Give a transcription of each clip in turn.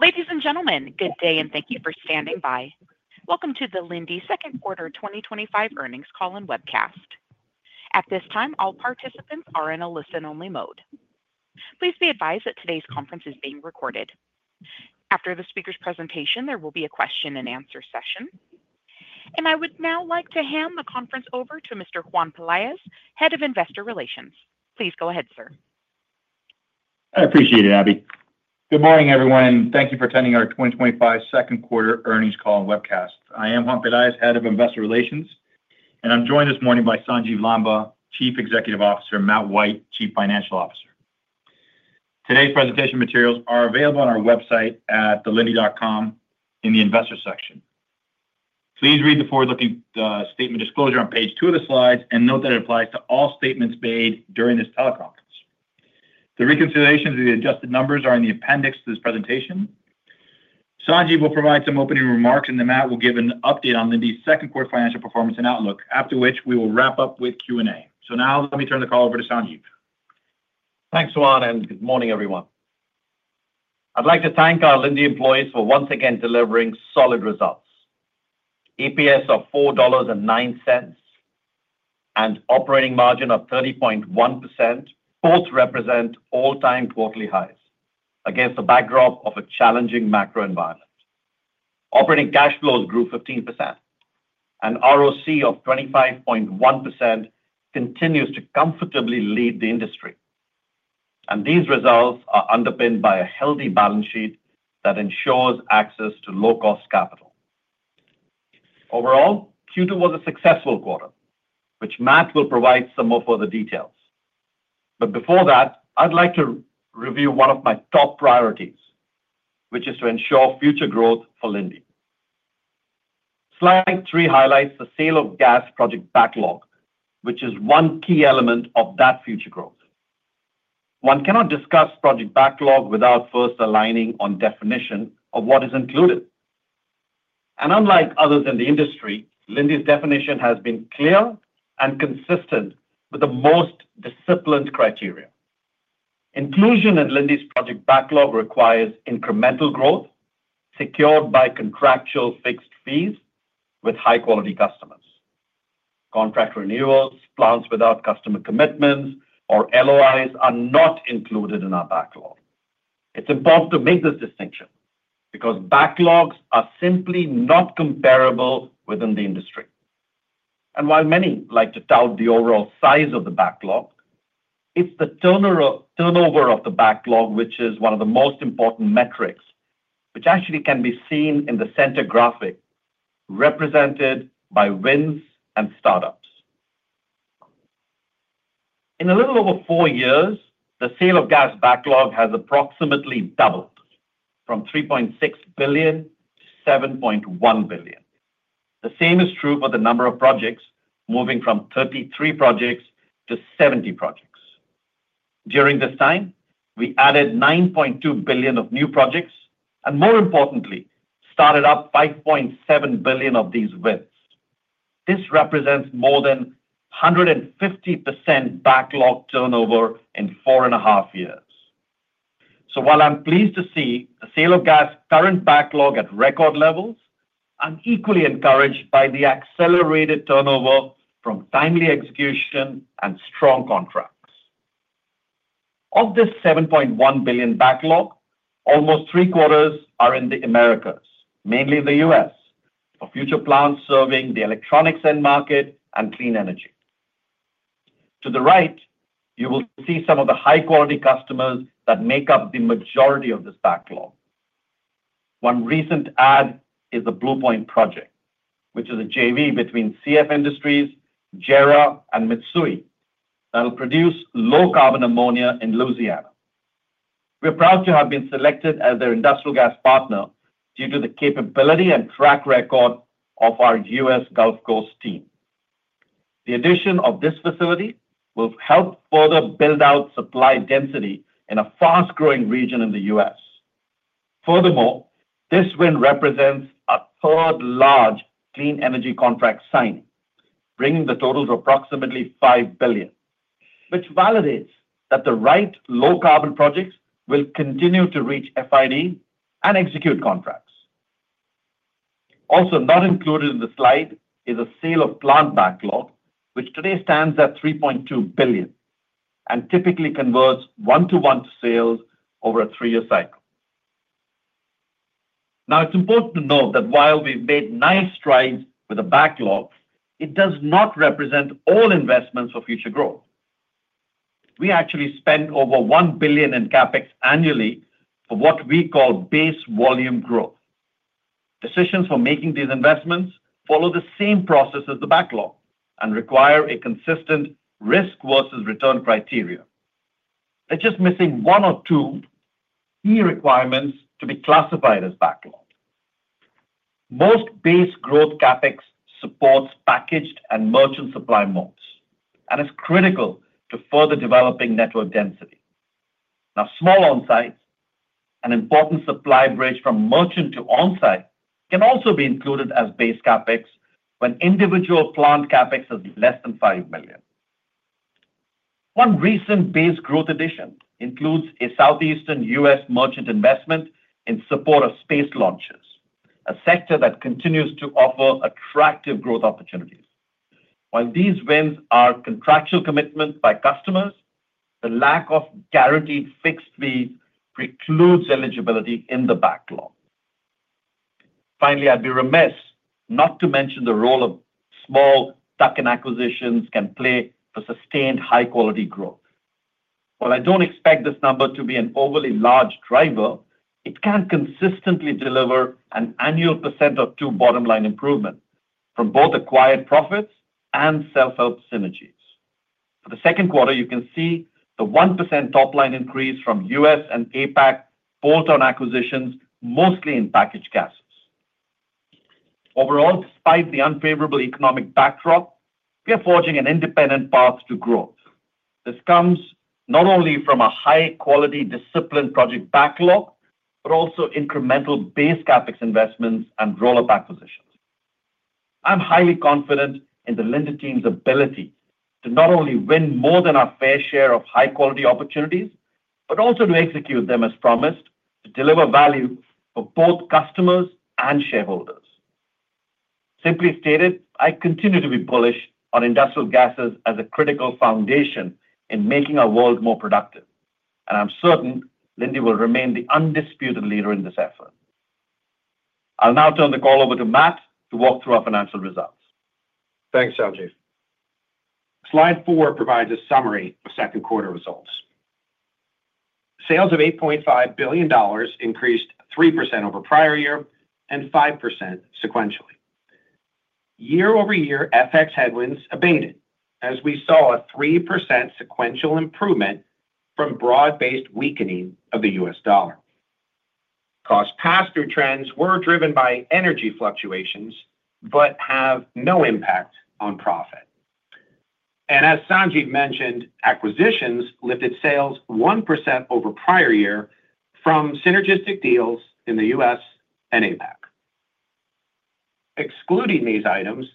Ladies and gentlemen, good day, and thank you for standing by. Welcome to the Linde Second Quarter 2025 Earnings Call and Webcast. At this time, all participants are in a listen-only mode. Please be advised that today's conference is being recorded. After the speaker's presentation, there will be a question-and-answer session. I would now like to hand the conference over to Mr. Juan Peláez, Head of Investor Relations. Please go ahead, sir. I appreciate it, Abby. Good morning, everyone, and thank you for attending our 2025 Second Quarter Earnings Call and Webcast. I am Juan Peláez, Head of Investor Relations, and I'm joined this morning by Sanjiv Lamba, Chief Executive Officer, and Matt White, Chief Financial Officer. Today's presentation materials are available on our website at linde.com in the Investor section. Please read the forward-looking statement disclosure on page two of the slides and note that it applies to all statements made during this teleconference. The reconciliations of the adjusted numbers are in the appendix to this presentation. Sanjiv will provide some opening remarks, and then Matt will give an update on Linde's second quarter financial performance and outlook, after which we will wrap up with Q&A. Now, let me turn the call over to Sanjiv. Thanks, Juan, and good morning, everyone. I'd like to thank our Linde employees for once again delivering solid results. EPS of $4.09 and operating margin of 30.1% both represent all-time quarterly highs against the backdrop of a challenging macro environment. Operating cash flows grew 15%, and ROC of 25.1% continues to comfortably lead the industry. These results are underpinned by a healthy balance sheet that ensures access to low-cost capital. Overall, Q2 was a successful quarter, which Matt will provide some more further details. Before that, I'd like to review one of my top priorities, which is to ensure future growth for Linde. Slide three highlights the sale of gas project backlog, which is one key element of that future growth. One cannot discuss project backlog without first aligning on definition of what is included. Unlike others in the industry, Linde's definition has been clear and consistent with the most disciplined criteria. Inclusion in Linde's project backlog requires incremental growth secured by contractual fixed fees with high-quality customers. Contract renewals, plans without customer commitments, or LOIs are not included in our backlog. It is important to make this distinction because backlogs are simply not comparable within the industry. While many like to tout the overall size of the backlog, it is the turnover of the backlog which is one of the most important metrics, which actually can be seen in the center graphic represented by wins and startups. In a little over four years, the sale of gas backlog has approximately doubled from $3.6 billion to $7.1 billion. The same is true for the number of projects, moving from 33 projects to 70 projects. During this time, we added $9.2 billion of new projects and, more importantly, started up $5.7 billion of these wins. This represents more than 150% backlog turnover in four and a half years. While I'm pleased to see the sale of gas current backlog at record levels, I'm equally encouraged by the accelerated turnover from timely execution and strong contracts. Of this $7.1 billion backlog, almost three-quarters are in the Americas, mainly the US, for future plans serving the electronics end market and clean energy. To the right, you will see some of the high-quality customers that make up the majority of this backlog. One recent add is the Bluepoint project, which is a JV between CF Industries, JERA, and Mitsui that will produce low-carbon ammonia in Louisiana.We're proud to have been selected as their industrial gas partner due to the capability and track record of our U.S. Gulf Coast team. The addition of this facility will help further build out supply density in a fast-growing region in the US. Furthermore, this win represents a third large clean energy contract signing, bringing the total to approximately $5 billion, which validates that the right low-carbon projects will continue to reach FID and execute contracts. Also, not included in the slide is a sale of plant backlog, which today stands at $3.2 billion and typically converts one-to-one sales over a three-year cycle. Now, it's important to note that while we've made nice strides with the backlog, it does not represent all investments for future growth. We actually spend over $1 billion in CapEx annually for what we call base volume growth. Decisions for making these investments follow the same process as the backlog and require a consistent risk versus return criteria. They're just missing one or two key requirements to be classified as backlog. Most base growth CapEx supports packaged and merchant supply modes and is critical to further developing network density. Now, small onsites and important supply bridge from merchant to onsite can also be included as base CapEx when individual plant CapEx is less than $5 million. One recent base growth addition includes a southeastern U.S. merchant investment in support of space launches, a sector that continues to offer attractive growth opportunities. While these wins are contractual commitments by customers, the lack of guaranteed fixed fees precludes eligibility in the backlog. Finally, I'd be remiss not to mention the role of small tuck-in acquisitions can play for sustained high-quality growth. While I don't expect this number to be an overly large driver, it can consistently deliver an annual % or two bottom-line improvement from both acquired profits and self-help synergies. For the second quarter, you can see the 1% top-line increase from U.S. and APAC bolt-on acquisitions, mostly in packaged gases. Overall, despite the unfavorable economic backdrop, we are forging an independent path to growth. This comes not only from a high-quality, disciplined project backlog, but also incremental base CapEx investments and roll-up acquisitions. I'm highly confident in the Linde team's ability to not only win more than our fair share of high-quality opportunities, but also to execute them as promised to deliver value for both customers and shareholders. Simply stated, I continue to be bullish on industrial gases as a critical foundation in making our world more productive. I'm certain Linde will remain the undisputed leader in this effort. I'll now turn the call over to Matt to walk through our financial results. Thanks, Sanjiv. Slide four provides a summary of second quarter results. Sales of $8.5 billion increased 3% over prior year and 5% sequentially. Year-over-year FX headwinds abated as we saw a 3% sequential improvement from broad-based weakening of the US dollar. Cost posture trends were driven by energy fluctuations but have no impact on profit. As Sanjiv mentioned, acquisitions lifted sales 1% over prior year from synergistic deals in the U.S. and APAC. Excluding these items,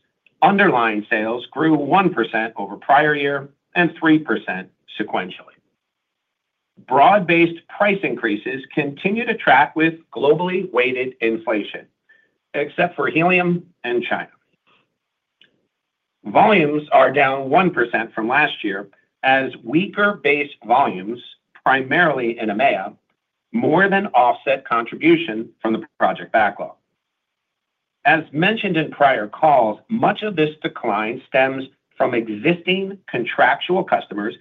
underlying sales grew 1% over prior year and 3% sequentially. Broad-based price increases continue to track with globally weighted inflation, except for Helium and China. Volumes are down 1% from last year as weaker base volumes, primarily in EMEA, more than offset contribution from the project backlog. As mentioned in prior calls, much of this decline stems from existing contractual customers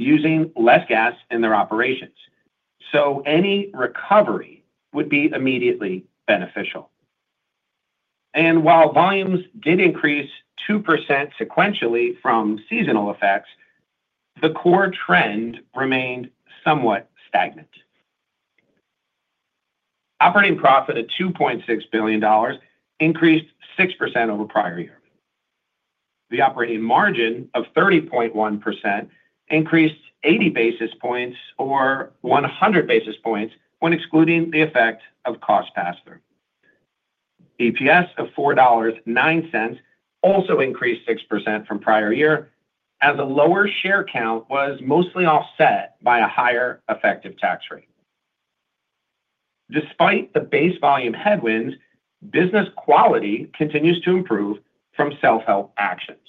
using less gas in their operations. Any recovery would be immediately beneficial. While volumes did increase 2% sequentially from seasonal effects, the core trend remained somewhat stagnant. Operating profit of $2.6 billion increased 6% over prior year. The operating margin of 30.1% increased 80 basis points or 100 basis points when excluding the effect of cost pass-through. EPS of $4.09 also increased 6% from prior year as a lower share count was mostly offset by a higher effective tax rate. Despite the base volume headwinds, business quality continues to improve from self-help actions.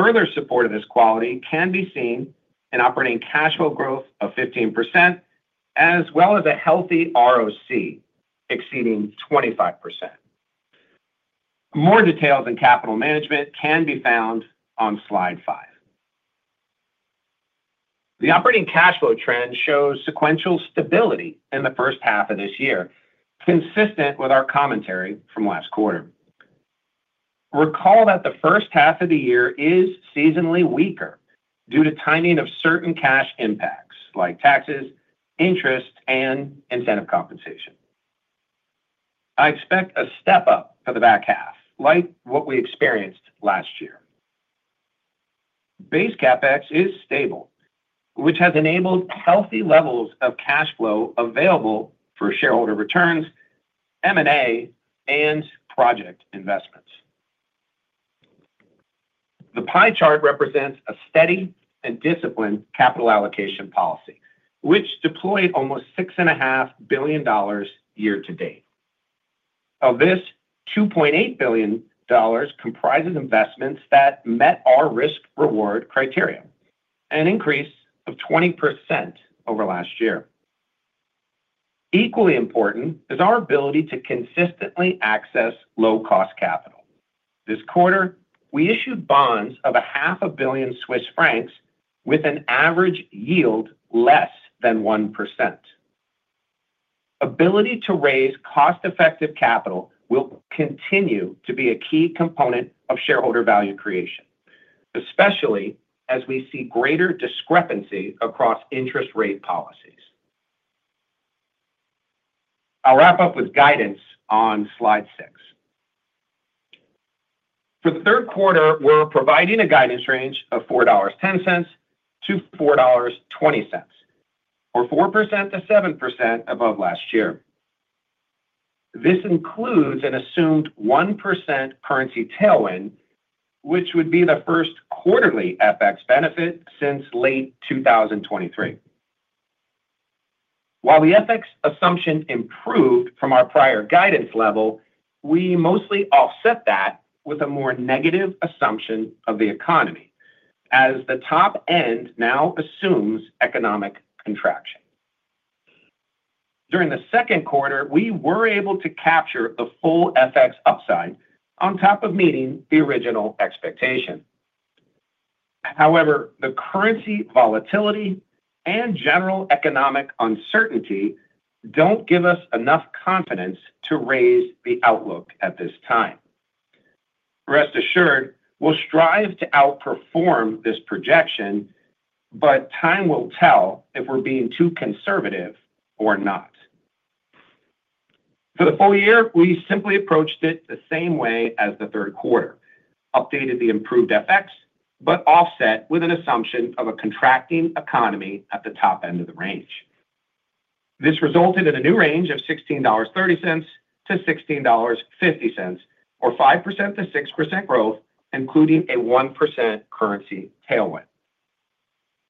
Further support of this quality can be seen in operating cash flow growth of 15%, as well as a healthy ROC exceeding 25%. More details in capital management can be found on slide five. The operating cash flow trend shows sequential stability in the first half of this year, consistent with our commentary from last quarter. Recall that the first half of the year is seasonally weaker due to timing of certain cash impacts like taxes, interest, and incentive compensation. I expect a step up for the back half, like what we experienced last year. Base CapEx is stable, which has enabled healthy levels of cash flow available for shareholder returns, M&A, and project investments. The pie chart represents a steady and disciplined capital allocation policy, which deployed almost $6.5 billion year to date. Of this, $2.8 billion comprises investments that met our risk-reward criteria, an increase of 20% over last year. Equally important is our ability to consistently access low-cost capital. This quarter, we issued bonds of 500,000,000 Swiss francs with an average yield less than 1%.Ability to raise cost-effective capital will continue to be a key component of shareholder value creation, especially as we see greater discrepancy across interest rate policies. I'll wrap up with guidance on slide six. For the third quarter, we're providing a guidance range of $4.10-$4.20, or 4%-7% above last year. This includes an assumed 1% currency tailwind, which would be the first quarterly FX benefit since late 2023. While the FX assumption improved from our prior guidance level, we mostly offset that with a more negative assumption of the economy as the top end now assumes economic contraction. During the second quarter, we were able to capture the full FX upside on top of meeting the original expectation. However, the currency volatility and general economic uncertainty don't give us enough confidence to raise the outlook at this time. Rest assured, we'll strive to outperform this projection, but time will tell if we're being too conservative or not. For the full year, we simply approached it the same way as the third quarter, updated the improved FX, but offset with an assumption of a contracting economy at the top end of the range. This resulted in a new range of $16.30-$16.50, or 5%-6% growth, including a 1% currency tailwind.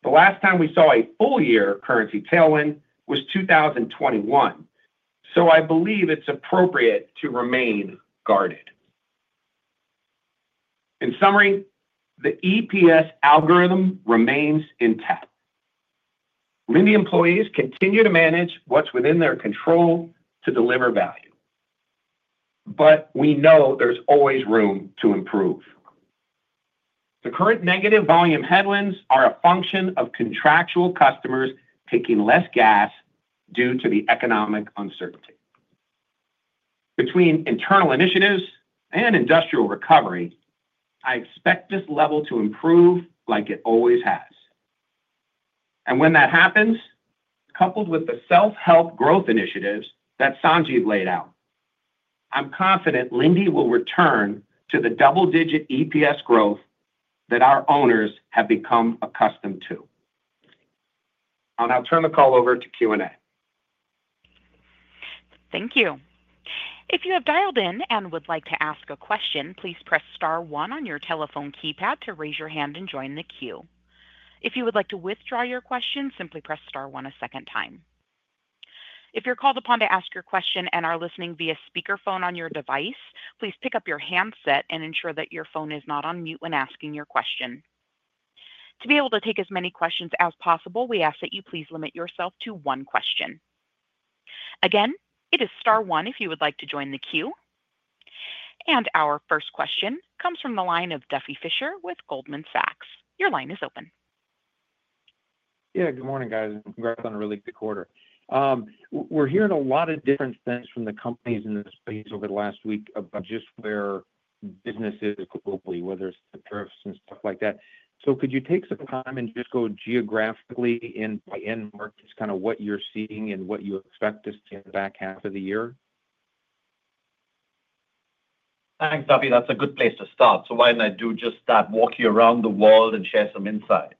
The last time we saw a full-year currency tailwind was 2021, so I believe it's appropriate to remain guarded. In summary, the EPS algorithm remains intact. Linde employees continue to manage what's within their control to deliver value. We know there's always room to improve. The current negative volume headwinds are a function of contractual customers taking less gas due to the economic uncertainty. Between internal initiatives and industrial recovery, I expect this level to improve like it always has. When that happens, coupled with the self-help growth initiatives that Sanjiv laid out, I'm confident Linde will return to the double-digit EPS growth that our owners have become accustomed to. I'll now turn the call over to Q&A. Thank you. If you have dialed in and would like to ask a question, please press star one on your telephone keypad to raise your hand and join the queue. If you would like to withdraw your question, simply press star one a second time. If you're called upon to ask your question and are listening via speakerphone on your device, please pick up your handset and ensure that your phone is not on mute when asking your question. To be able to take as many questions as possible, we ask that you please limit yourself to one question. Again, it is star one if you would like to join the queue. Our first question comes from the line of Duffy Fishcer with Goldman Sachs. Your line is open. Yeah, good morning, guys. And congrats on a really good quarter. We're hearing a lot of different things from the companies in this space over the last week about just where business is globally, whether it's tariffs and stuff like that. Could you take some time and just go geographically and by end markets, kind of what you're seeing and what you expect to see in the back half of the year? Thanks, Duffy. That's a good place to start. Why don't I do just that, walk you around the world and share some insights.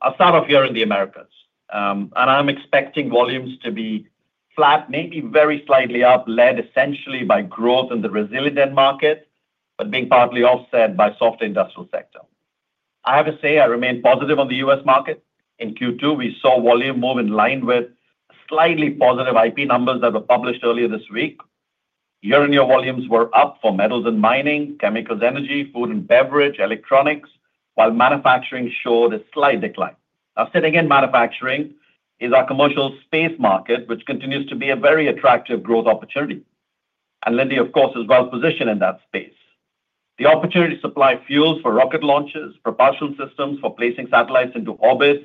I'll start off here in the Americas. I'm expecting volumes to be flat, maybe very slightly up, led essentially by growth in the resilient end market, but being partly offset by the soft industrial sector. I have to say I remain positive on the U.S. market. In Q2, we saw volume move in line with slightly positive IP numbers that were published earlier this week. Year-on-year volumes were up for metals and mining, chemicals, energy, food and beverage, electronics, while manufacturing showed a slight decline. I'll say it again, manufacturing is our commercial space market, which continues to be a very attractive growth opportunity. Linde, of course, is well positioned in that space. The opportunity to supply fuels for rocket launches, propulsion systems for placing satellites into orbits,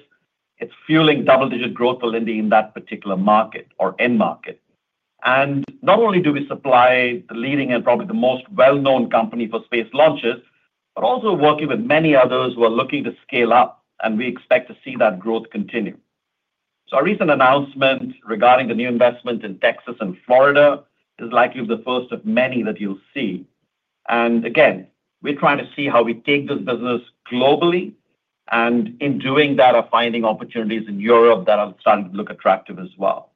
is fueling double-digit growth for Linde in that particular market or end market. Not only do we supply the leading and probably the most well-known company for space launches, but we are also working with many others who are looking to scale up, and we expect to see that growth continue. Our recent announcement regarding the new investment in Texas and Florida is likely the first of many that you will see. We are trying to see how we take this business globally. In doing that, we are finding opportunities in Europe that are starting to look attractive as well.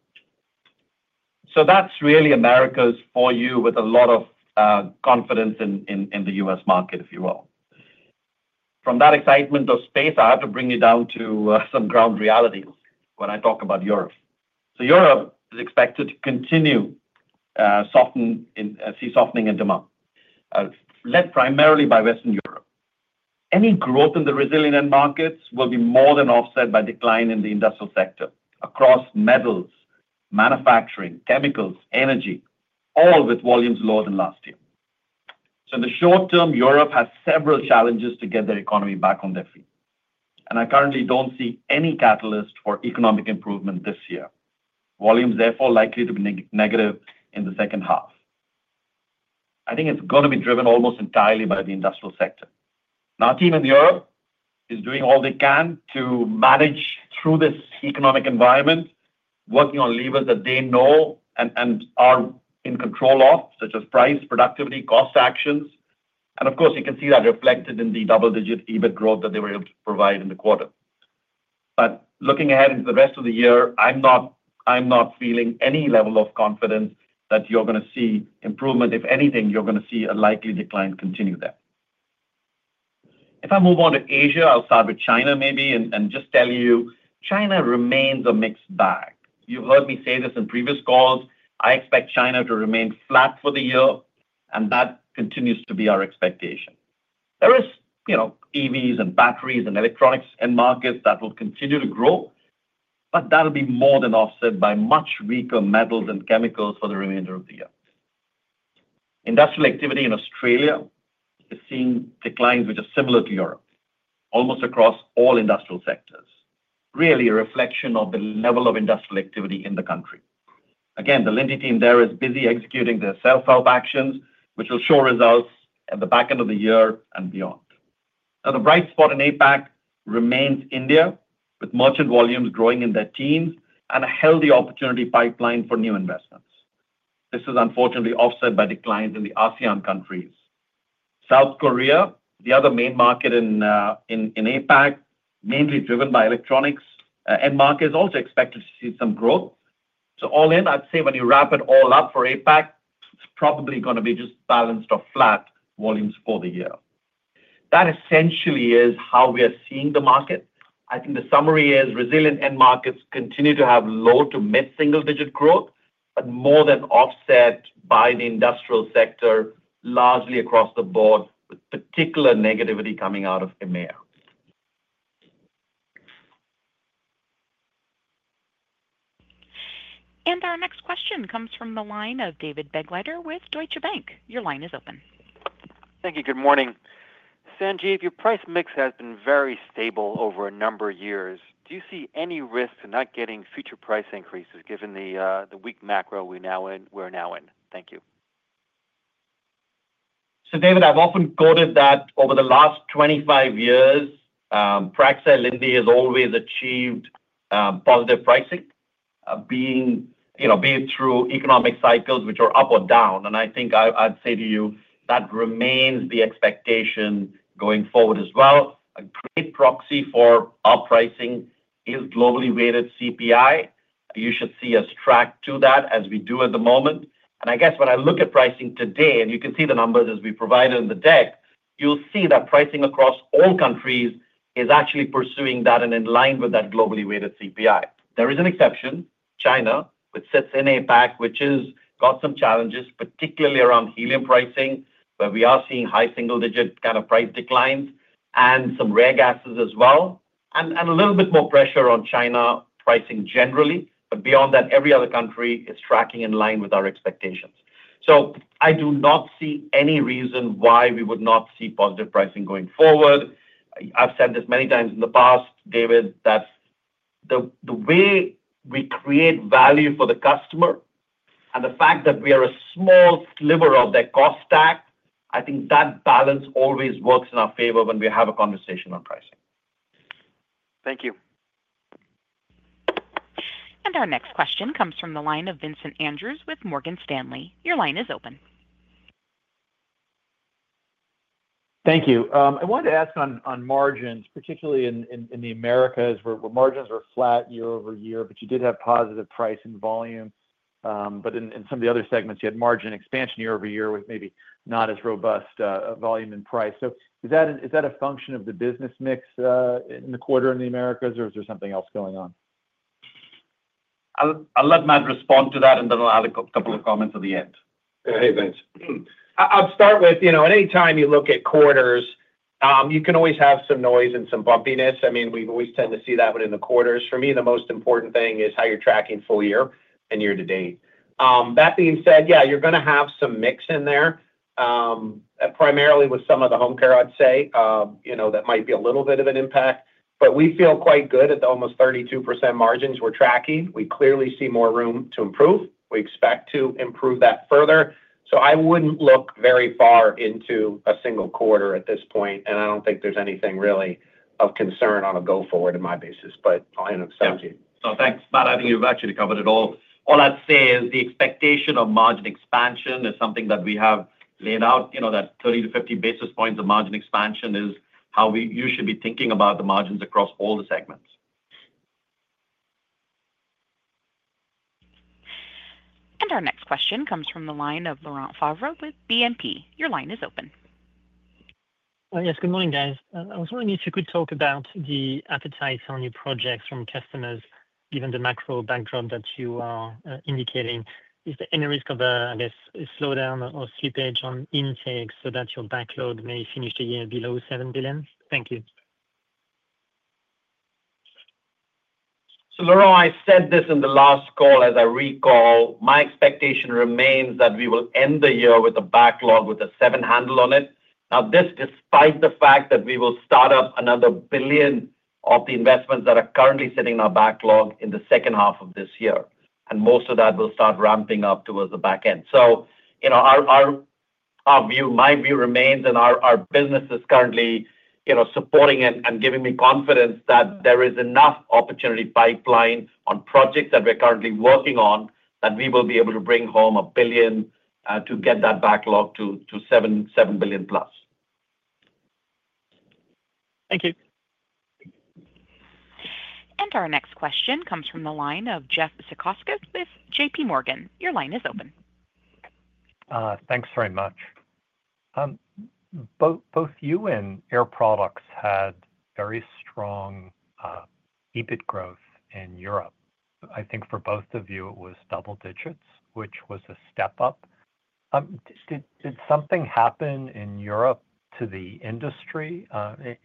That is really Americas for you with a lot of confidence in the U.S. market, if you will. From that excitement of space, I have to bring you down to some ground realities when I talk about Europe. Europe is expected to continue to see softening in demand, led primarily by Western Europe. Any growth in the resilient end markets will be more than offset by decline in the industrial sector across metals, manufacturing, chemicals, energy, all with volumes lower than last year. In the short term, Europe has several challenges to get their economy back on their feet. I currently do not see any catalyst for economic improvement this year. Volumes, therefore, likely to be negative in the second half. I think it is going to be driven almost entirely by the industrial sector. Now, our team in Europe is doing all they can to manage through this economic environment, working on levers that they know and are in control of, such as price, productivity, cost actions. Of course, you can see that reflected in the double-digit EBIT growth that they were able to provide in the quarter. Looking ahead into the rest of the year, I'm not feeling any level of confidence that you're going to see improvement. If anything, you're going to see a likely decline continue there. If I move on to Asia, I'll start with China maybe and just tell you China remains a mixed bag. You've heard me say this in previous calls. I expect China to remain flat for the year, and that continues to be our expectation. There are EVs and batteries and electronics end markets that will continue to grow, but that will be more than offset by much weaker metals and chemicals for the remainder of the year. Industrial activity in Australia is seeing declines, which are similar to Europe, almost across all industrial sectors, really a reflection of the level of industrial activity in the country. Again, the Linde team there is busy executing their self-help actions, which will show results at the back end of the year and beyond. Now, the bright spot in APAC remains India, with merchant volumes growing in their teens and a healthy opportunity pipeline for new investments. This is unfortunately offset by declines in the ASEAN countries. South Korea, the other main market in APAC, mainly driven by electronics, end market is also expected to see some growth. All in, I'd say when you wrap it all up for APAC, it's probably going to be just balanced or flat volumes for the year. That essentially is how we are seeing the market. I think the summary is resilient end markets continue to have low to mid single-digit growth, but more than offset by the industrial sector largely across the board, with particular negativity coming out of EMEA. Our next question comes from the line of David Begleiter with Deutsche Bank. Your line is open. Thank you. Good morning. Sanjiv, your price mix has been very stable over a number of years. Do you see any risk to not getting future price increases given the weak macro we are now in? Thank you. David, I've often quoted that over the last 25 years, Praxair, Linde has always achieved positive pricing, being through economic cycles which are up or down. I think I'd say to you that remains the expectation going forward as well. A great proxy for our pricing is globally weighted CPI. You should see us track to that as we do at the moment. I guess when I look at pricing today, and you can see the numbers as we provided in the deck, you'll see that pricing across all countries is actually pursuing that and in line with that globally weighted CPI. There is an exception, China, which sits in APAC, which has got some challenges, particularly around Helium pricing, where we are seeing high single-digit kind of price declines and some rare gases as well, and a little bit more pressure on China pricing generally. Beyond that, every other country is tracking in line with our expectations. I do not see any reason why we would not see positive pricing going forward. I've said this many times in the past, David, that the way we create value for the customer and the fact that we are a small sliver of their cost stack, I think that balance always works in our favor when we have a conversation on pricing. Thank you. Our next question comes from the line of Vincent Andrew with Morgan Stanley. Your line is open. Thank you. I wanted to ask on margins, particularly in the Americas, where margins are flat year over year, but you did have positive price and volume. In some of the other segments, you had margin expansion year over year with maybe not as robust volume and price. Is that a function of the business mix in the quarter in the Americas, or is there something else going on? I'll let Matt respond to that, and then I'll have a couple of comments at the end. Hey, Vince. I'll start with, anytime you look at quarters, you can always have some noise and some bumpiness. I mean, we always tend to see that within the quarters. For me, the most important thing is how you're tracking full year and year to date. That being said, yeah, you're going to have some mix in there, primarily with some of the home care, I'd say, that might be a little bit of an impact. But we feel quite good at the almost 32% margins we're tracking. We clearly see more room to improve. We expect to improve that further. I wouldn't look very far into a single quarter at this point, and I don't think there's anything really of concern on a go-forward in my basis. I'll hand it over to Sanjiv. Yeah. Thanks. Matt, I think you've actually covered it all. All I'd say is the expectation of margin expansion is something that we have laid out, that 30 - 50 basis points of margin expansion is how you should be thinking about the margins across all the segments. Our next question comes from the line of Laurent Favre with BNP. Your line is open. Yes, good morning, guys. I was wondering if you could talk about the appetite on your projects from customers, given the macro backdrop that you are indicating. Is there any risk of a, I guess, slowdown or slippage on intake so that your backlog may finish the year below $7 billion? Thank you. Laurent, I said this in the last call, as I recall, my expectation remains that we will end the year with a backlog with a $7 billion handle on it. This is despite the fact that we will start up another $1 billion of the investments that are currently sitting in our backlog in the second half of this year. Most of that will start ramping up towards the back end. My view remains, and our business is currently supporting and giving me confidence, that there is enough opportunity pipeline on projects that we're currently working on that we will be able to bring home $1 billion to get that backlog to $7 billion plus. Thank you. Our next question comes from the line of Jeffry Zekauskus with JP Morgan. Your line is open. Thanks very much. Both you and Air Products had very strong EBIT growth in Europe. I think for both of you, it was double digits, which was a step up. Did something happen in Europe to the industry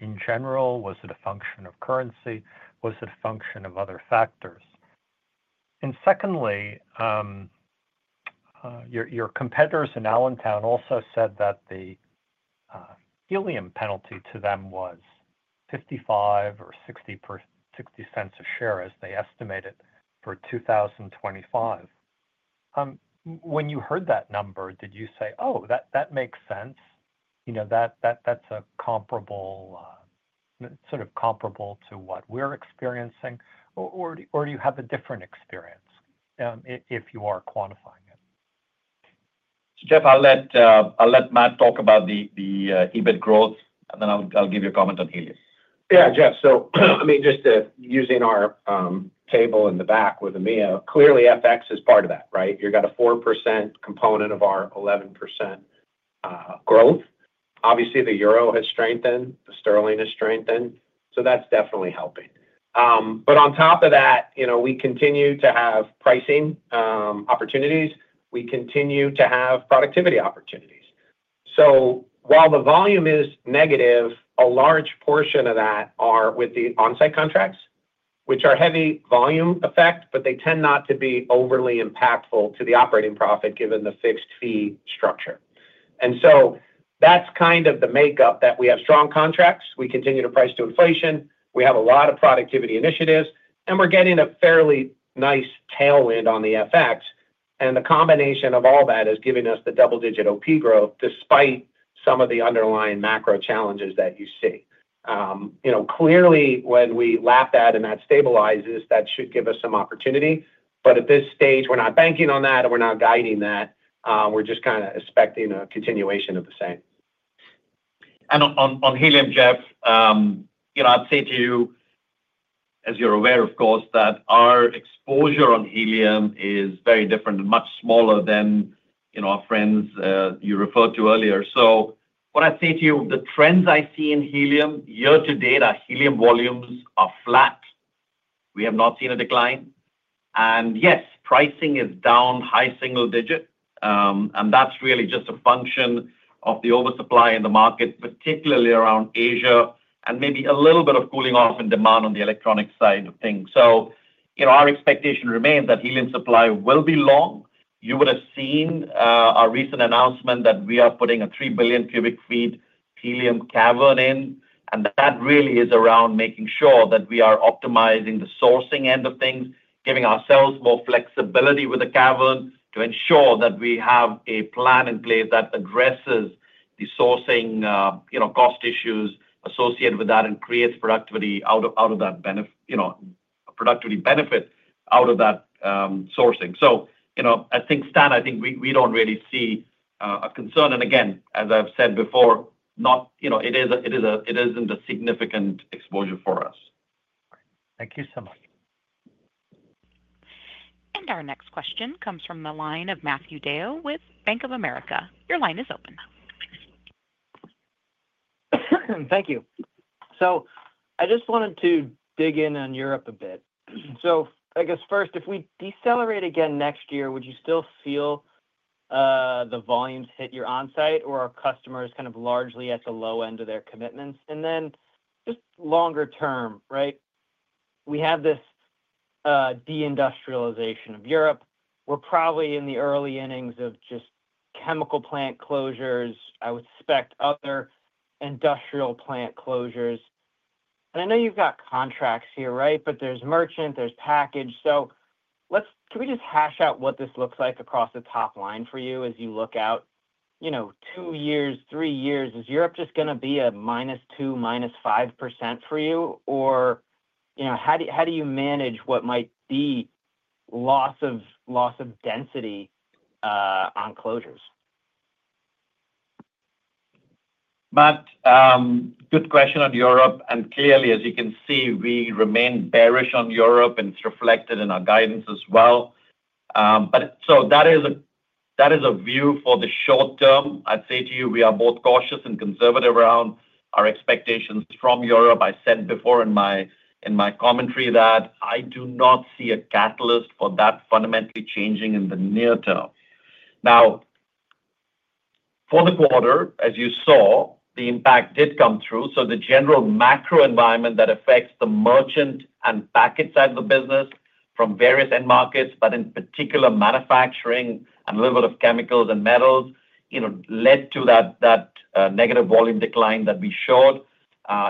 in general? Was it a function of currency? Was it a function of other factors? Secondly, your competitors in Allentown also said that the Helium penalty to them was $0.55 or $0.60 a share as they estimated for 2025. When you heard that number, did you say, "Oh, that makes sense. That's sort of comparable to what we're experiencing"? Or do you have a different experience if you are quantifying it? Jeff, I'll let Matt talk about the EBIT growth, and then I'll give you a comment on Helium. Yeah, Jeff. So I mean, just using our table in the back with EMEA, clearly FX is part of that, right? You've got a 4% component of our 11% growth. Obviously, the euro has strengthened. The sterling has strengthened. That's definitely helping. On top of that, we continue to have pricing opportunities. We continue to have productivity opportunities. While the volume is negative, a large portion of that is with the onsite contracts, which are heavy volume effect, but they tend not to be overly impactful to the operating profit given the fixed fee structure. That's kind of the makeup that we have strong contracts. We continue to price to inflation. We have a lot of productivity initiatives, and we're getting a fairly nice tailwind on the FX. The combination of all that is giving us the double-digit OP growth despite some of the underlying macro challenges that you see. Clearly, when we lap that and that stabilizes, that should give us some opportunity. At this stage, we're not banking on that, and we're not guiding that. We're just kind of expecting a continuation of the same. On Helium, Jeff, I'd say to you, as you're aware, of course, that our exposure on Helium is very different and much smaller than our friends you referred to earlier. What I'd say to you, the trends I see in Helium year to date are Helium volumes are flat. We have not seen a decline. Yes, pricing is down high single digit. That's really just a function of the oversupply in the market, particularly around Asia and maybe a little bit of cooling off in demand on the electronic side of things. Our expectation remains that Helium supply will be long. You would have seen our recent announcement that we are putting a $3 billion cubic feet Helium cavern in. That really is around making sure that we are optimizing the sourcing end of things, giving ourselves more flexibility with the cavern to ensure that we have a plan in place that addresses the sourcing cost issues associated with that and creates productivity out of that benefit out of that sourcing. I think, Stan, I think we do not really see a concern. Again, as I have said before, it is not a significant exposure for us. Thank you so much. Our next question comes from the line of Matthew Dale with Bank of America. Your line is open. Thank you. I just wanted to dig in on Europe a bit. I guess first, if we decelerate again next year, would you still feel the volumes hit your onsite or are customers kind of largely at the low end of their commitments? Then just longer term, right? We have this deindustrialization of Europe. We're probably in the early innings of just chemical plant closures. I would suspect other industrial plant closures. I know you've got contracts here, right? There's merchant, there's package. Can we just hash out what this looks like across the top line for you as you look out two years, three years? Is Europe just going to be a -2%, -5% for you? How do you manage what might be loss of density on closures? Matt, good question on Europe. Clearly, as you can see, we remain bearish on Europe, and it's reflected in our guidance as well. That is a view for the short term. I'd say to you, we are both cautious and conservative around our expectations from Europe. I said before in my commentary that I do not see a catalyst for that fundamentally changing in the near term. Now, for the quarter, as you saw, the impact did come through. The general macro environment that affects the merchant and package side of the business from various end markets, but in particular, manufacturing and a little bit of chemicals and metals, led to that negative volume decline that we showed,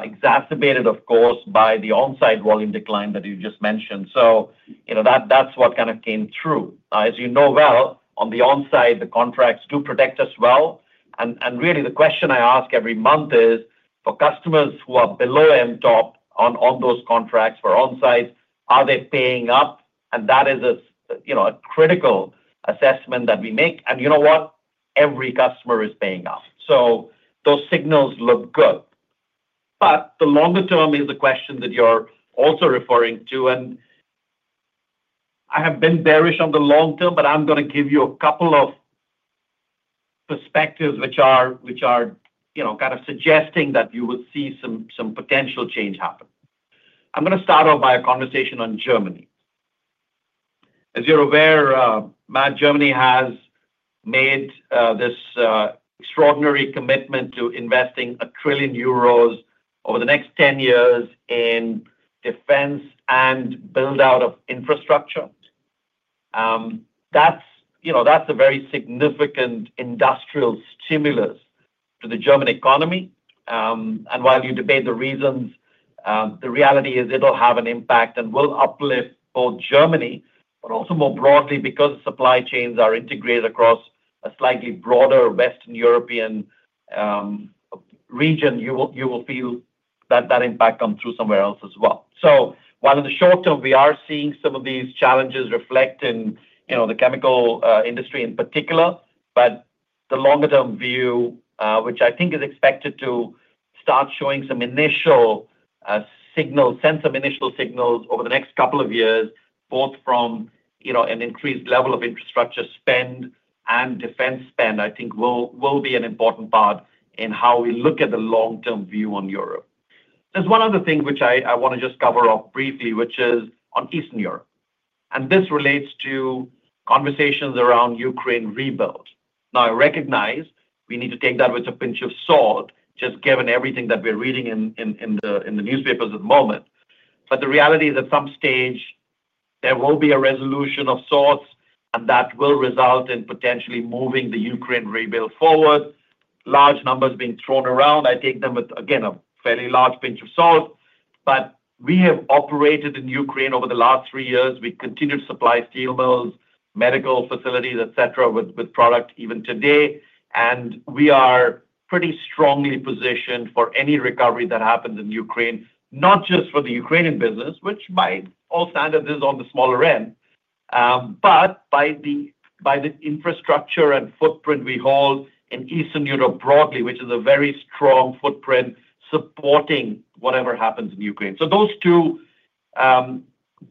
exacerbated, of course, by the onsite volume decline that you just mentioned. That is what kind of came through. As you know well, on the onsite, the contracts do protect us well. The question I ask every month is, for customers who are below MTOP on those contracts for onsite, are they paying up? That is a critical assessment that we make. You know what? Every customer is paying up. Those signals look good. The longer term is the question that you're also referring to. I have been bearish on the long term, but I'm going to give you a couple of perspectives which are kind of suggesting that you would see some potential change happen. I'm going to start off by a conversation on Germany. As you're aware, Matt, Germany has made this extraordinary commitment to investing 1 trillion euros over the next 10 years in defense and build-out of infrastructure. That's a very significant industrial stimulus to the German economy. While you debate the reasons, the reality is it'll have an impact and will uplift both Germany, but also more broadly because supply chains are integrated across a slightly broader Western European region, you will feel that that impact comes through somewhere else as well. While in the short term, we are seeing some of these challenges reflect in the chemical industry in particular, the longer-term view, which I think is expected to start showing some initial signals, send some initial signals over the next couple of years, both from an increased level of infrastructure spend and defense spend, I think will be an important part in how we look at the long-term view on Europe. There is one other thing which I want to just cover off briefly, which is on Eastern Europe. This relates to conversations around Ukraine rebuild. Now, I recognize we need to take that with a pinch of salt, just given everything that we're reading in the newspapers at the moment. The reality is at some stage, there will be a resolution of sorts, and that will result in potentially moving the Ukraine rebuild forward. Large numbers being thrown around, I take them with, again, a fairly large pinch of salt. We have operated in Ukraine over the last three years. We continued to supply steel mills, medical facilities, etc., with product even today. We are pretty strongly positioned for any recovery that happens in Ukraine, not just for the Ukrainian business, which by all standards is on the smaller end, but by the infrastructure and footprint we hold in Eastern Europe broadly, which is a very strong footprint supporting whatever happens in Ukraine.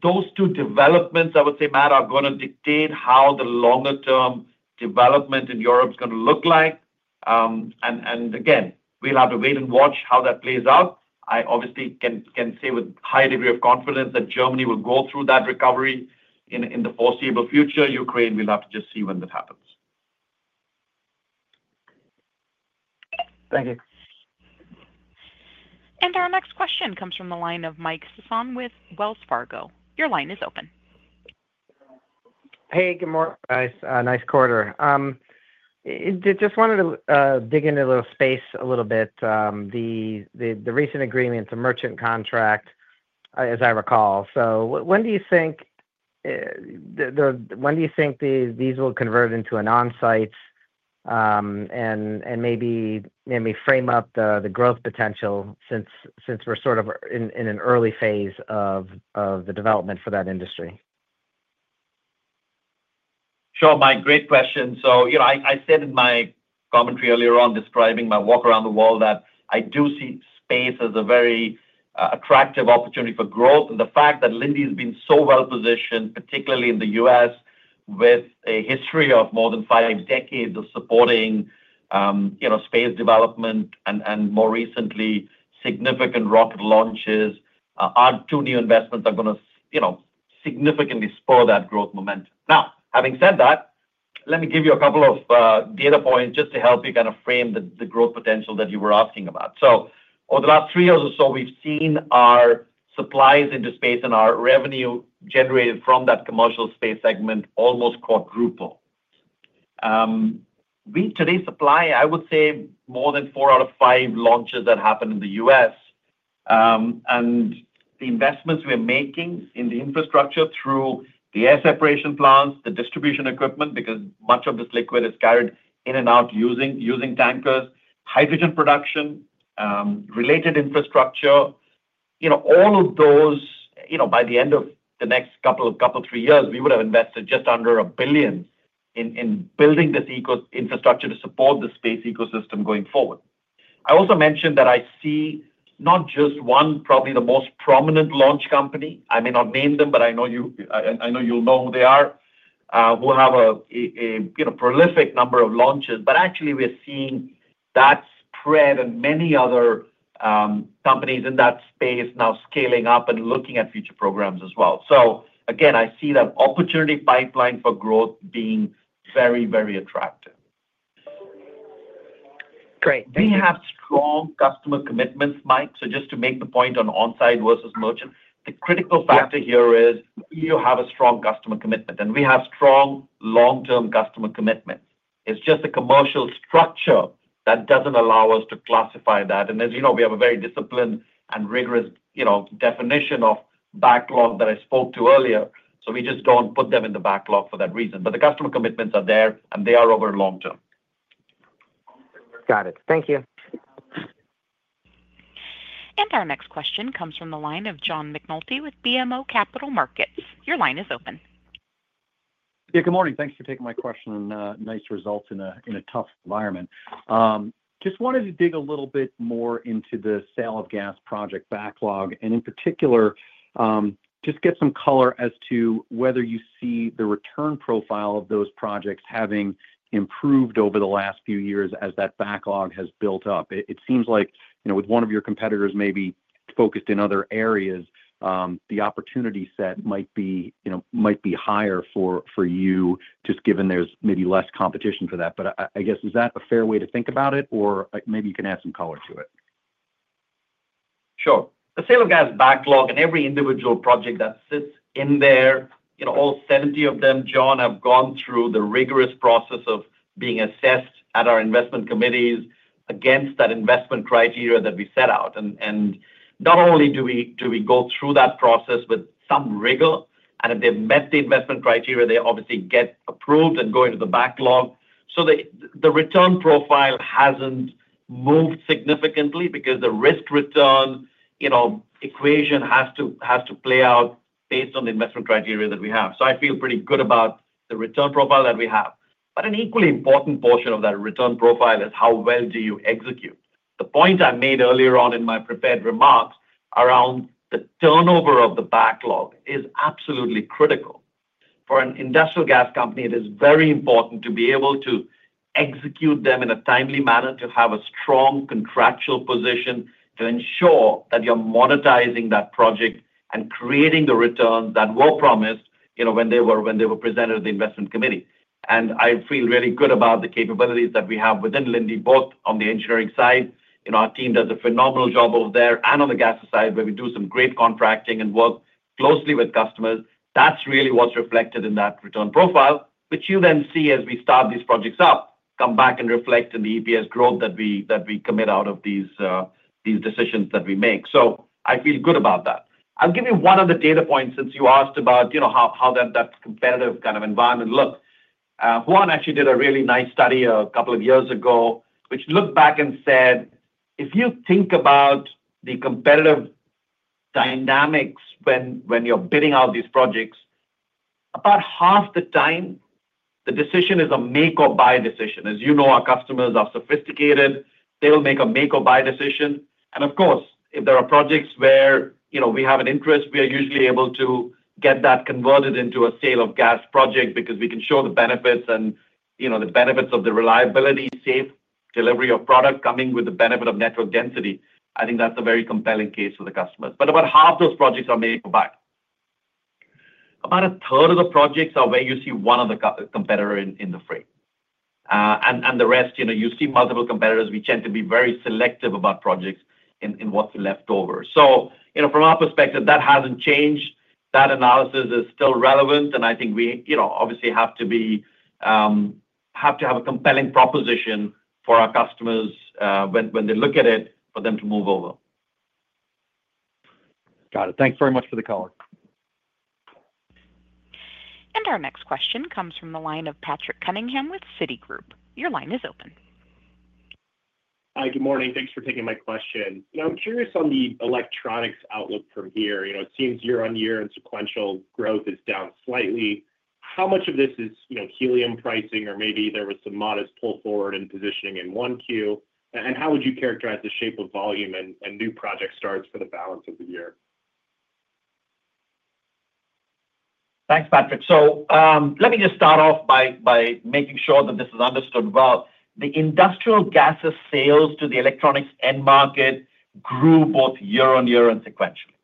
Those two developments, I would say, Matt, are going to dictate how the longer-term development in Europe is going to look like. Again, we'll have to wait and watch how that plays out. I obviously can say with a high degree of confidence that Germany will go through that recovery in the foreseeable future. Ukraine, we'll have to just see when that happens. Thank you. Our next question comes from the line of Mike Sison with Wells Fargo. Your line is open. Hey, good morning, guys. Nice quarter. Just wanted to dig into the space a little bit. The recent agreement, the Merchant Contract, as I recall. When do you think these will convert into an onsite and maybe frame up the growth potential since we're sort of in an early phase of the development for that industry? Sure. Mike, great question. I said in my commentary earlier on describing my walk around the wall that I do see space as a very attractive opportunity for growth. The fact that Linde has been so well positioned, particularly in the U.S., with a history of more than five decades of supporting space development and more recently, significant rocket launches, our two new investments are going to significantly spur that growth momentum. Now, having said that, let me give you a couple of data points just to help you kind of frame the growth potential that you were asking about. Over the last three years or so, we've seen our supplies into space and our revenue generated from that commercial space segment almost quadruple. Today's supply, I would say more than four out of five launches that happen in the U.S. The investments we are making in the infrastructure through the air separation plants, the distribution equipment, because much of this liquid is carried in and out using tankers, Hydrogen production, related infrastructure, all of those, by the end of the next couple of three years, we would have invested just under $1 billion in building this infrastructure to support the space ecosystem going forward. I also mentioned that I see not just one, probably the most prominent launch company. I may not name them, but I know you'll know who they are, who have a prolific number of launches. Actually, we're seeing that spread and many other companies in that space now scaling up and looking at future programs as well. Again, I see that opportunity pipeline for growth being very, very attractive. Great. We have strong customer commitments, Mike. Just to make the point on onsite versus merchant, the critical factor here is you have a strong customer commitment. We have strong long-term customer commitments. It is just a commercial structure that does not allow us to classify that. As you know, we have a very disciplined and rigorous definition of backlog that I spoke to earlier. We just do not put them in the backlog for that reason. The customer commitments are there, and they are over the long term. Got it. Thank you. Our next question comes from the line of John McNulty with BMO Capital Markets. Your line is open. Yeah, good morning. Thanks for taking my question on nice results in a tough environment. Just wanted to dig a little bit more into the sale of gas project backlog. In particular, just get some color as to whether you see the return profile of those projects having improved over the last few years as that backlog has built up. It seems like with one of your competitors maybe focused in other areas, the opportunity set might be higher for you, just given there's maybe less competition for that. I guess, is that a fair way to think about it? Maybe you can add some color to it. Sure. The Sale of Gas backlog and every individual project that sits in there, all 70 of them, John, have gone through the rigorous process of being assessed at our investment committees against that investment criteria that we set out. Not only do we go through that process with some rigor, and if they have met the investment criteria, they obviously get approved and go into the backlog. The return profile has not moved significantly because the risk-return equation has to play out based on the investment criteria that we have. I feel pretty good about the return profile that we have. An equally important portion of that return profile is how well do you execute. The point I made earlier on in my prepared remarks around the turnover of the backlog is absolutely critical. For an industrial gas company, it is very important to be able to execute them in a timely manner, to have a strong contractual position to ensure that you're monetizing that project and creating the returns that were promised when they were presented at the investment committee. I feel really good about the capabilities that we have within Linde, both on the engineering side. Our team does a phenomenal job over there and on the gas side, where we do some great contracting and work closely with customers. That's really what's reflected in that return profile, which you then see as we start these projects up, come back and reflect in the EPS growth that we commit out of these decisions that we make. I feel good about that. I'll give you one other data point since you asked about how that competitive kind of environment looks. Juan actually did a really nice study a couple of years ago, which looked back and said, "If you think about the competitive dynamics when you're bidding out these projects, about half the time, the decision is a make-or-buy decision." As you know, our customers are sophisticated. They will make a make-or-buy decision. Of course, if there are projects where we have an interest, we are usually able to get that converted into a Sale of Gas project because we can show the benefits and the benefits of the reliability, safe delivery of product coming with the benefit of network density. I think that's a very compelling case for the customers. About half those projects are make-or-buy. About a third of the projects are where you see one other competitor in the frame. The rest, you see multiple competitors. We tend to be very selective about projects in what's left over. From our perspective, that hasn't changed. That analysis is still relevant. I think we obviously have to have a compelling proposition for our customers when they look at it for them to move over. Got it. Thanks very much for the color. Our next question comes from the line of Patrick Cunningham with Citigroup. Your line is open. Hi, good morning. Thanks for taking my question. I'm curious on the electronics outlook from here. It seems year-on-year and sequential growth is down slightly. How much of this is Helium pricing, or maybe there was some modest pull forward in positioning in one Q? And how would you characterize the shape of volume and new project starts for the balance of the year? Thanks, Patrick. Let me just start off by making sure that this is understood well. The industrial gas's sales to the electronics end market grew both year-on-year and sequentially.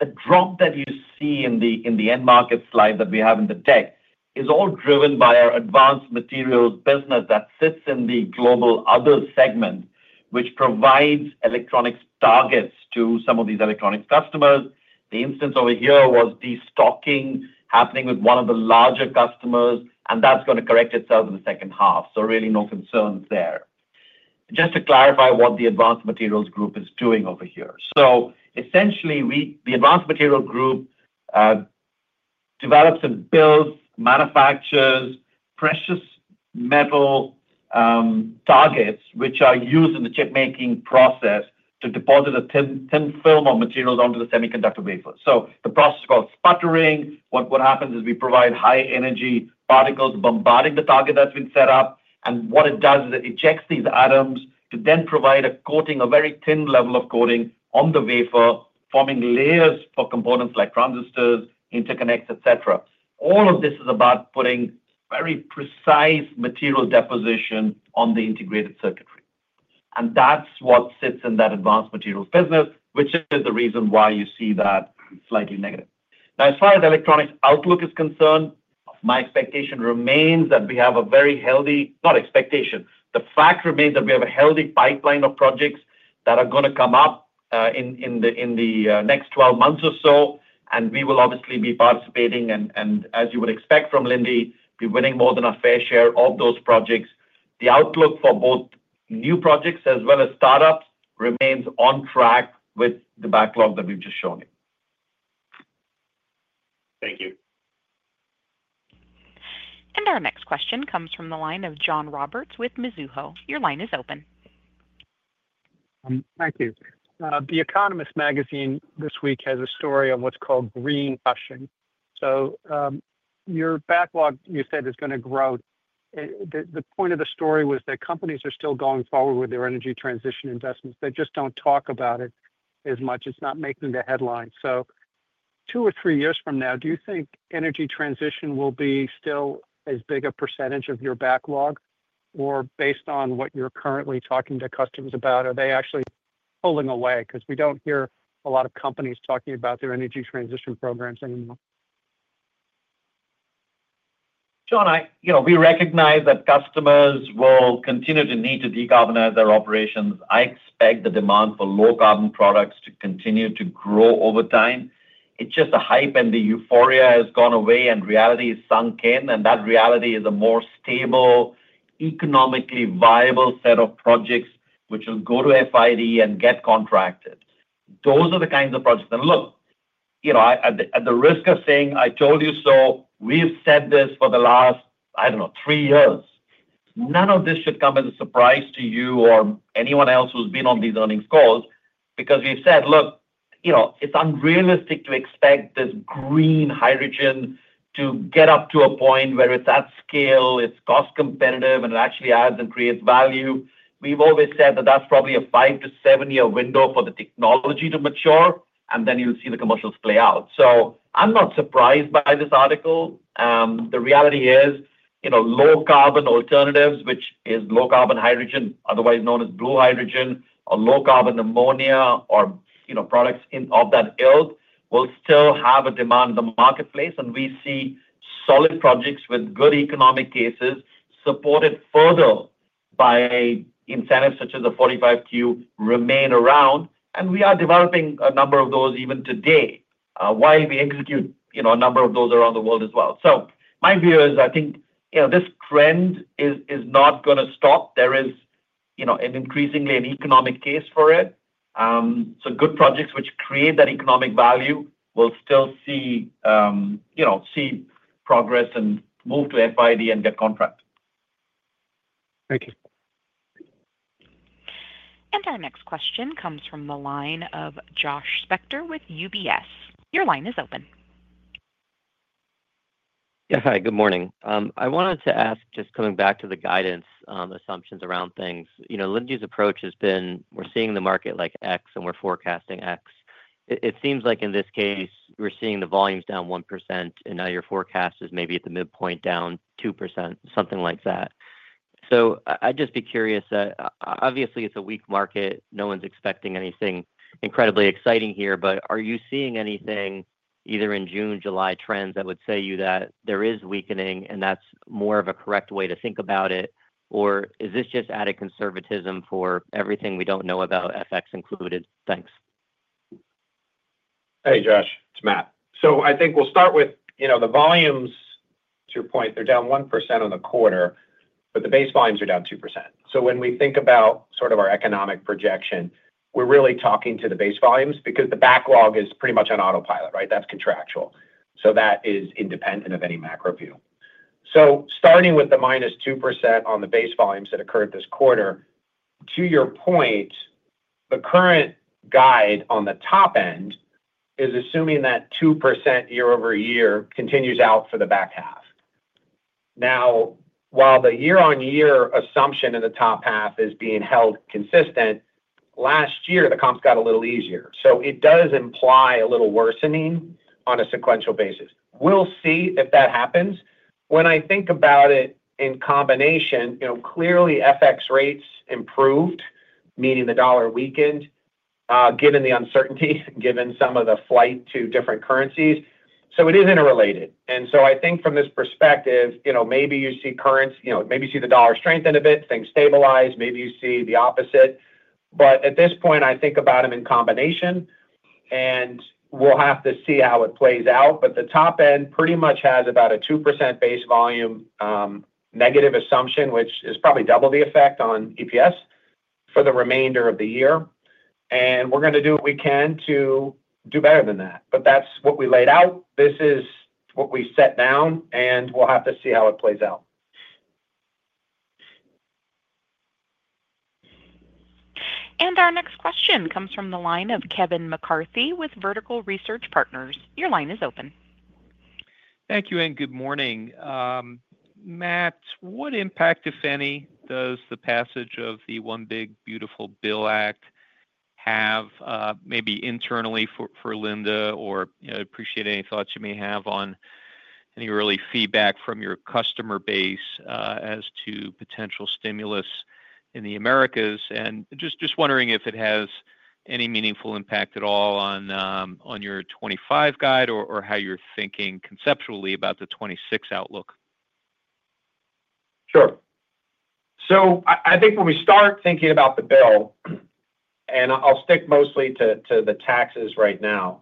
The drop that you see in the end market slide that we have in the deck is all driven by our advanced materials business that sits in the global other segment, which provides electronics targets to some of these electronics customers. The instance over here was destocking happening with one of the larger customers, and that's going to correct itself in the second half. Really no concerns there. Just to clarify what the advanced materials group is doing over here. Essentially, the advanced materials group develops and builds, manufactures precious metal targets, which are used in the chipmaking process to deposit a thin film of materials onto the semiconductor wafer. The process is called sputtering. What happens is we provide high-energy particles bombarding the target that's been set up. What it does is it ejects these atoms to then provide a coating, a very thin level of coating on the wafer, forming layers for components like transistors, interconnects, etc. All of this is about putting very precise material deposition on the integrated circuitry. That is what sits in that advanced materials business, which is the reason why you see that slightly negative. Now, as far as electronics outlook is concerned, my expectation remains that we have a very healthy, not expectation, the fact remains that we have a healthy pipeline of projects that are going to come up in the next 12 months or so. We will obviously be participating. As you would expect from Linde, be winning more than a fair share of those projects. The outlook for both new projects as well as startups remains on track with the backlog that we've just shown you. Thank you. Our next question comes from the line of John Roberts with Mizuho. Your line is open. Thank you. The Economist magazine this week has a story of what's called green rushing. Your backlog, you said, is going to grow. The point of the story was that companies are still going forward with their energy transition investments. They just don't talk about it as much. It's not making the headlines. Two or three years from now, do you think energy transition will be still as big a percentage of your backlog? Or based on what you're currently talking to customers about, are they actually pulling away? Because we don't hear a lot of companies talking about their energy transition programs anymore. John, we recognize that customers will continue to need to decarbonize their operations. I expect the demand for low-carbon products to continue to grow over time. It's just the hype and the euphoria has gone away, and reality has sunk in. That reality is a more stable, economically viable set of projects which will go to FID and get contracted. Those are the kinds of projects. Look, at the risk of saying, "I told you so, we've said this for the last, I don't know, three years." None of this should come as a surprise to you or anyone else who's been on these earnings calls because we've said, "Look, it's unrealistic to expect this green hydrogen to get up to a point where it's at scale, it's cost competitive, and it actually adds and creates value." We've always said that that's probably a five- to seven-year window for the technology to mature, and then you'll see the commercials play out. I'm not surprised by this article. The reality is low-carbon alternatives, which is low-carbon hydrogen, otherwise known as blue hydrogen, or low-carbon ammonia or products of that ilk, will still have a demand in the marketplace. We see solid projects with good economic cases supported further by incentives such as the 45Q remain around. We are developing a number of those even today while we execute a number of those around the world as well. My view is I think this trend is not going to stop. There is increasingly an economic case for it. Good projects which create that economic value will still see progress and move to FID and get contracted. Thank you. Our next question comes from the line of Josh Spector with UBS. Your line is open. Yes, hi. Good morning. I wanted to ask, just coming back to the guidance assumptions around things, Linde's approach has been, "We're seeing the market like X, and we're forecasting X." It seems like in this case, we're seeing the volumes down 1%, and now your forecast is maybe at the midpoint down 2%, something like that. I'd just be curious. Obviously, it's a weak market. No one's expecting anything incredibly exciting here. Are you seeing anything either in June, July trends that would say to you that there is weakening, and that's more of a correct way to think about it? Is this just added conservatism for everything we don't know about, FX included? Thanks. Hey, Josh. It's Matt. I think we'll start with the volumes. To your point, they're down 1% on the quarter, but the base volumes are down 2%. When we think about sort of our economic projection, we're really talking to the base volumes because the backlog is pretty much on autopilot, right? That's contractual. That is independent of any macro view. Starting with the minus 2% on the base volumes that occurred this quarter, to your point, the current guide on the top end is assuming that 2% year-over-year continues out for the back half. Now, while the year-on-year assumption in the top half is being held consistent, last year, the comps got a little easier. It does imply a little worsening on a sequential basis. We'll see if that happens. When I think about it in combination, clearly, FX rates improved, meaning the dollar weakened, given the uncertainty, given some of the flight to different currencies. It is interrelated. I think from this perspective, maybe you see currency, maybe you see the dollar strengthen a bit, things stabilize. Maybe you see the opposite. At this point, I think about them in combination, and we'll have to see how it plays out. The top end pretty much has about a 2% base volume negative assumption, which is probably double the effect on EPS for the remainder of the year. We're going to do what we can to do better than that. That is what we laid out. This is what we set down, and we'll have to see how it plays out. Our next question comes from the line of Kevin McCarthy with Vertical Research Partners. Your line is open. Thank you and good morning. Matt, what impact, if any, does the passage of the One Big Beautiful Bill Act have maybe internally for Linde? I appreciate any thoughts you may have on any early feedback from your customer base as to potential stimulus in the Americas. I am just wondering if it has any meaningful impact at all on your 2025 guide or how you're thinking conceptually about the 2026 outlook. Sure. I think when we start thinking about the bill, and I'll stick mostly to the taxes right now,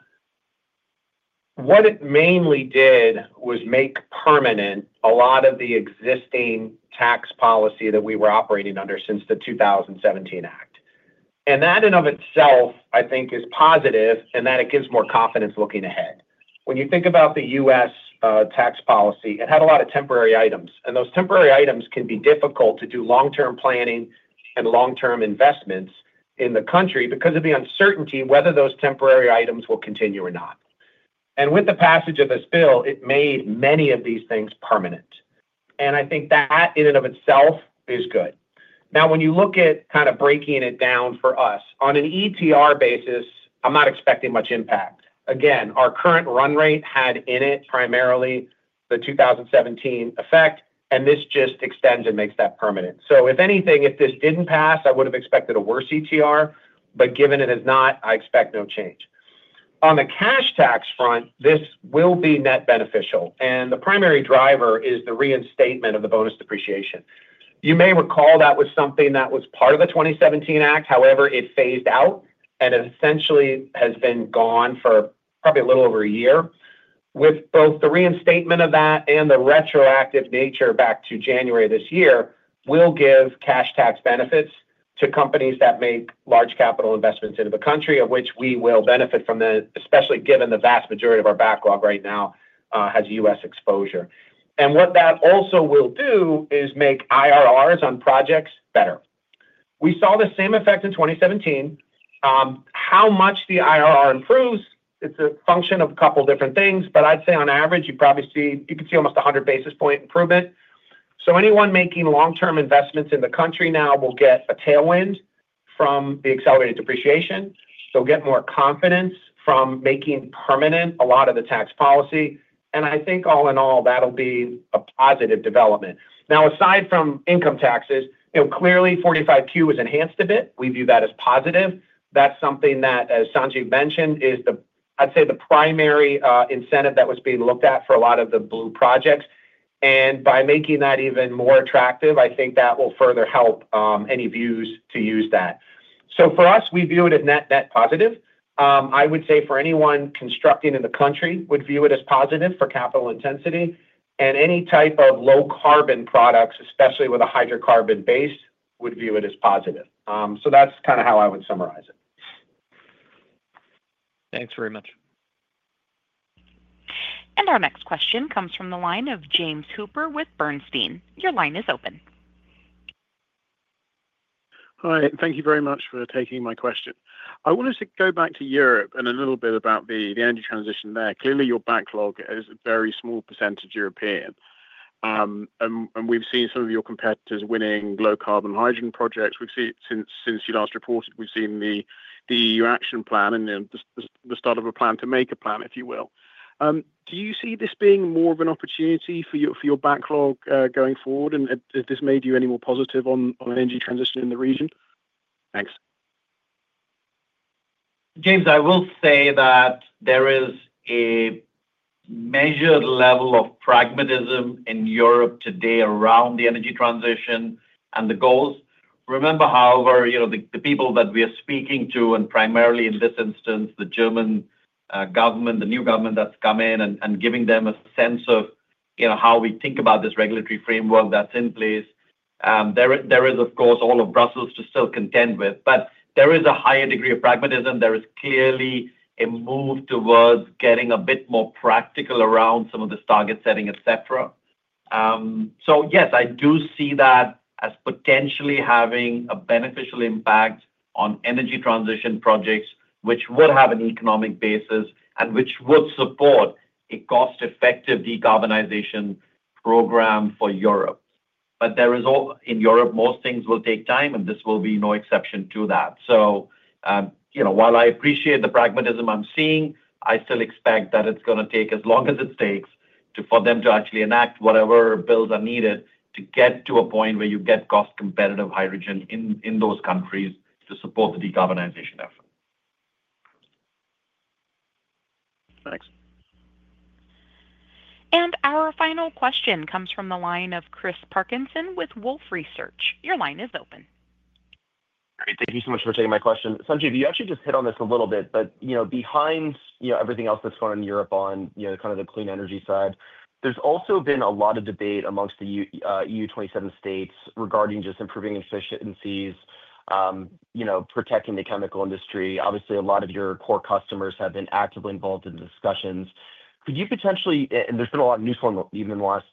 what it mainly did was make permanent a lot of the existing tax policy that we were operating under since the 2017 act. That in and of itself, I think, is positive in that it gives more confidence looking ahead. When you think about the US tax policy, it had a lot of temporary items. Those temporary items can be difficult to do long-term planning and long-term investments in the country because of the uncertainty whether those temporary items will continue or not. With the passage of this bill, it made many of these things permanent. I think that in and of itself is good. Now, when you look at kind of breaking it down for us, on an ETR basis, I'm not expecting much impact. Again, our current run rate had in it primarily the 2017 effect, and this just extends and makes that permanent. If anything, if this did not pass, I would have expected a worse ETR. Given it has not, I expect no change. On the cash tax front, this will be net beneficial. The primary driver is the reinstatement of the bonus depreciation. You may recall that was something that was part of the 2017 act. However, it phased out and essentially has been gone for probably a little over a year. With both the reinstatement of that and the retroactive nature back to January this year, we will give cash tax benefits to companies that make large capital investments into the country, of which we will benefit from them, especially given the vast majority of our backlog right now has US exposure. What that also will do is make IRRs on projects better. We saw the same effect in 2017. How much the IRR improves, it is a function of a couple of different things. I would say on average, you can see almost 100 basis point improvement. Anyone making long-term investments in the country now will get a tailwind from the accelerated depreciation. They will get more confidence from making permanent a lot of the tax policy. I think all in all, that will be a positive development. Now, aside from income taxes, clearly, 45Q has enhanced a bit. We view that as positive. That is something that, as Sanjiv mentioned, is, I would say, the primary incentive that was being looked at for a lot of the blue projects. By making that even more attractive, I think that will further help any views to use that. For us, we view it as net positive. I would say for anyone constructing in the country would view it as positive for capital intensity. Any type of low-carbon products, especially with a hydrocarbon base, would view it as positive. That is kind of how I would summarize it. Thanks very much. Our next question comes from the line of James Hooper with Bernstein. Your line is open. Hi. Thank you very much for taking my question. I wanted to go back to Europe and a little bit about the energy transition there. Clearly, your backlog is a very small percentage European. We have seen some of your competitors winning low-carbon hydrogen projects. Since you last reported, we have seen the E.U. Action Plan and the start of a plan to make a plan, if you will. Do you see this being more of an opportunity for your backlog going forward? Has this made you any more positive on energy transition in the region? Thanks. James, I will say that there is a measured level of pragmatism in Europe today around the energy transition and the goals. Remember, however, the people that we are speaking to, and primarily in this instance, the German government, the new government that has come in and giving them a sense of how we think about this regulatory framework that is in place, there is, of course, all of Brussels to still contend with. There is a higher degree of pragmatism. There is clearly a move towards getting a bit more practical around some of this target setting, etc. Yes, I do see that as potentially having a beneficial impact on energy transition projects, which would have an economic basis and which would support a cost-effective decarbonization program for Europe. In Europe, most things will take time, and this will be no exception to that. While I appreciate the pragmatism I'm seeing, I still expect that it's going to take as long as it takes for them to actually enact whatever bills are needed to get to a point where you get cost-competitive hydrogen in those countries to support the decarbonization. Thanks. Our final question comes from the line of Chris Parkinson with Wolf Research. Your line is open. All right. Thank you so much for taking my question. Sanjiv, you actually just hit on this a little bit. Behind everything else that's going on in Europe on kind of the clean energy side, there's also been a lot of debate amongst the E.U. 27 states regarding just improving efficiencies, protecting the chemical industry. Obviously, a lot of your core customers have been actively involved in the discussions. Could you potentially—and there's been a lot of news from even in the last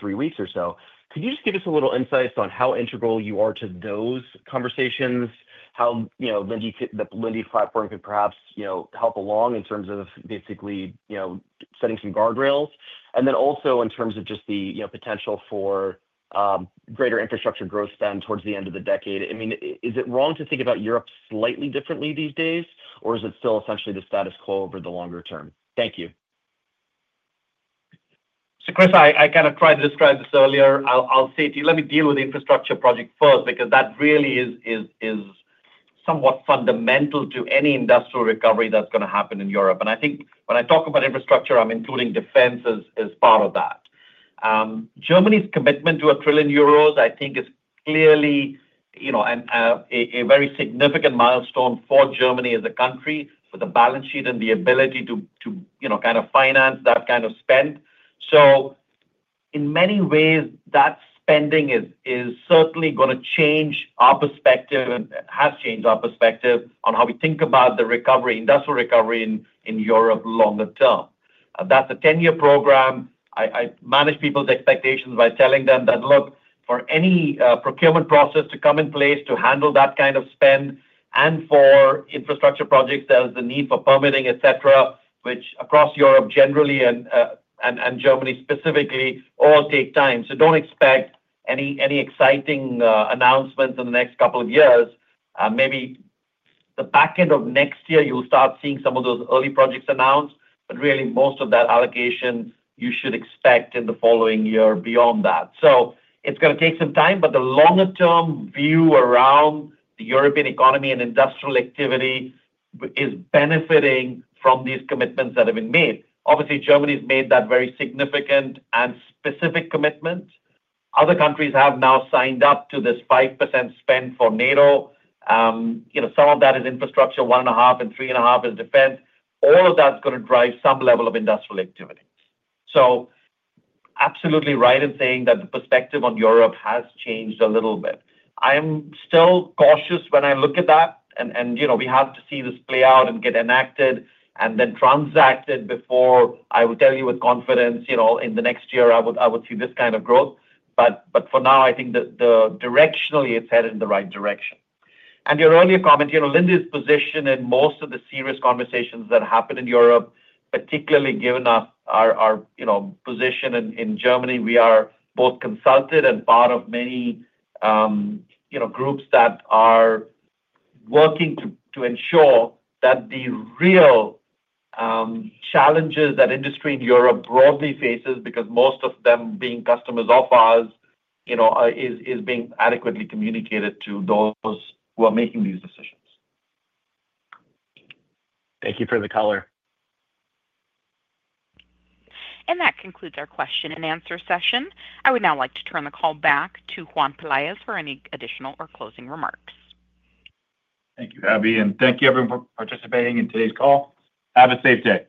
three weeks or so—could you just give us a little insight on how integral you are to those conversations? How the Linde platform could perhaps help along in terms of basically setting some guardrails? Also in terms of just the potential for greater infrastructure growth spend towards the end of the decade. I mean, is it wrong to think about Europe slightly differently these days? Or is it still essentially the status quo over the longer term? Thank you. Chris, I kind of tried to describe this earlier. I'll say to you, let me deal with the infrastructure project first because that really is somewhat fundamental to any industrial recovery that's going to happen in Europe. I think when I talk about infrastructure, I'm including defense as part of that. Germany's commitment to 1 trillion euros, I think, is clearly a very significant milestone for Germany as a country with a balance sheet and the ability to kind of finance that kind of spend. In many ways, that spending is certainly going to change our perspective and has changed our perspective on how we think about the recovery, industrial recovery in Europe longer term. That's a 10-year program. I manage people's expectations by telling them that, look, for any procurement process to come in place to handle that kind of spend and for infrastructure projects, there's the need for permitting, etc., which across Europe generally and Germany specifically all take time. Do not expect any exciting announcements in the next couple of years. Maybe the back end of next year, you'll start seeing some of those early projects announced. Really, most of that allocation, you should expect in the following year beyond that. It is going to take some time. The longer-term view around the European economy and industrial activity is benefiting from these commitments that have been made. Obviously, Germany's made that very significant and specific commitment. Other countries have now signed up to this 5% spend for NATO. Some of that is infrastructure, one and a half, and three and a half is defense. All of that is going to drive some level of industrial activity. You are absolutely right in saying that the perspective on Europe has changed a little bit. I am still cautious when I look at that. We have to see this play out and get enacted and then transacted before I will tell you with confidence in the next year I would see this kind of growth. For now, I think directionally, it is headed in the right direction. Your earlier comment, Linde's position in most of the serious conversations that happen in Europe, particularly given our position in Germany, we are both consulted and part of many groups that are working to ensure that the real challenges that industry in Europe broadly faces, because most of them being customers of ours, is being adequately communicated to those who are making these decisions. Thank you for the color. That concludes our question and answer session. I would now like to turn the call back to Juan Peláez for any additional or closing remarks. Thank you, Abbie. Thank you, everyone, for participating in today's call. Have a safe day.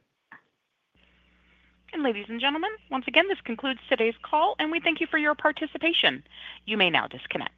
Ladies and gentlemen, once again, this concludes today's call, and we thank you for your participation. You may now disconnect.